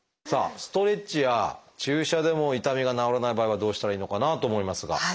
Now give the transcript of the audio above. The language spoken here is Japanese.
さあストレッチや注射でも痛みが治らない場合はどうしたらいいのかなと思いますが。